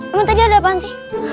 emang tadi ada apaan sih